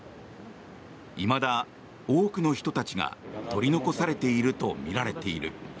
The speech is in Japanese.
いまだ多くの人たちが取り残されているとみられている。